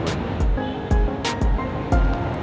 itu yang paling menyenangkan